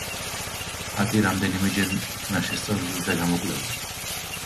ხატი რამდენიმეჯერ იქნა შესწავლილი და გამოკვლეული.